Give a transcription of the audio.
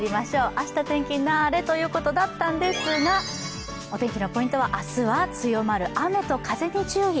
「あした天気になーれ！」ということだったんですがお天気のポイントは、明日は強まる雨と風に注意。